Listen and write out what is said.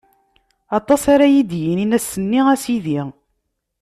Aṭas ara yi-d-yinin ass-nni: A Sidi!